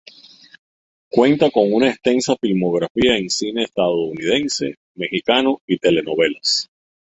Cuenta con una extensa filmografía en cine estadounidense, mexicano y telenovelas.